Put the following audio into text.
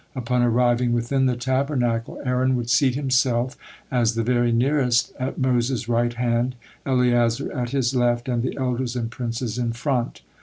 Upon arriving within the Tabernacle, Aaron would seat himself as the very nearest at Moses' right hand, Eleazar at his left, and the elders and princes in front.